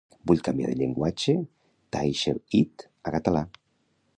Vull canviar llenguatge taixelhit a català.